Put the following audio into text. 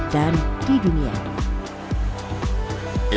dan di dunia ini